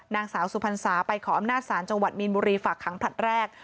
นางสาวสุพรรษาไปขออำนาจศาลจังหวัดมีนบุรีฝากขังผลัดแรก